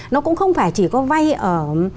nó cũng không phải chỉ có vay ở